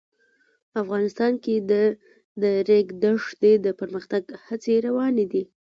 افغانستان کې د د ریګ دښتې د پرمختګ هڅې روانې دي.